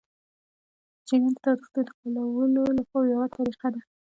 جریان د تودوخې د انتقالولو یوه طریقه ده.